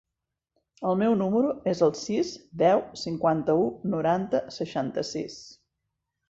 El meu número es el sis, deu, cinquanta-u, noranta, seixanta-sis.